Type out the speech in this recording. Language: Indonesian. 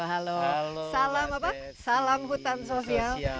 halo halo salam hutan sosial salam lima jari